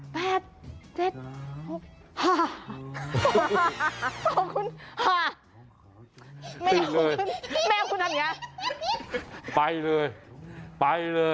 ฮ่าขอบคุณฮ่าแมวคุณแมวคุณทำอย่างนี้ไปเลยไปเลย